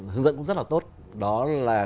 hướng dẫn cũng rất là tốt đó là